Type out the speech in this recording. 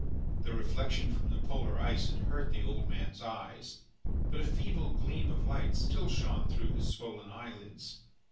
The reflection from the polar ice had hurt the old man's eyes, but a feeble gleam of light still shone through his swollen eyelids.